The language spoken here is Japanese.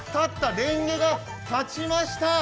レンゲが立ちました！